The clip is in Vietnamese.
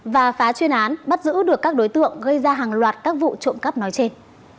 và phá chuyên án bắt giữ được các đối tượng gây ra hàng loạt các vụ trộm cắp nói trên